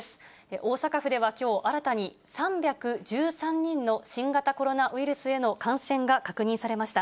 大阪府ではきょう新たに３１３人の新型コロナウイルスへの感染が確認されました。